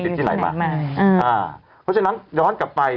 เพราะฉะนั้นย้อนกลับไป